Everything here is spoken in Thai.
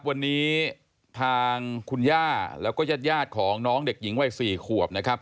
วันนี้ทางคุณย่าแล้วก็ญาติของน้องเด็กหญิงวัย๔ขวบนะครับ